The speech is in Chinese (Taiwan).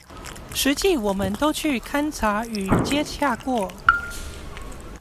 實際我們都去勘查與接洽過